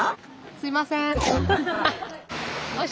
すいません。